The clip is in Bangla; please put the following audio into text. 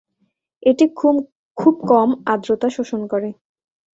এটি খুব কম আর্দ্রতা শোষণ করে।